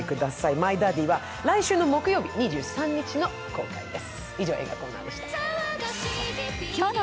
「マイ・ダディ」は来週木曜日２３日の公開です。